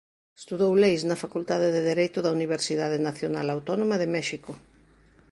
Estudou Leis na Facultade de Dereito da Universidade Nacional Autónoma de México.